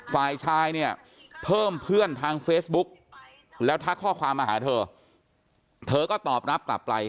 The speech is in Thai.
ฝ่ายชายเนี่ยเพิ่มเพื่อนทางเฟซบุ๊กแล้วทักข้อความมาหาเธอเธอก็ตอบรับกลับไป